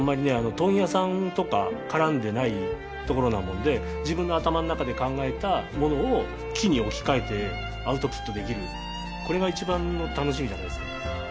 問屋さんとか絡んでないところなもんで自分の頭の中で考えたものを木に置き換えてアウトプットできるこれが一番の楽しみじゃないですか